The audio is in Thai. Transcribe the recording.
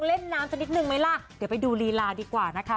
เล่นน้ำสักนิดนึงไหมล่ะเดี๋ยวไปดูลีลาดีกว่านะคะ